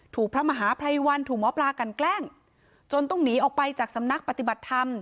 พระมหาภัยวันถูกหมอปลากันแกล้งจนต้องหนีออกไปจากสำนักปฏิบัติธรรม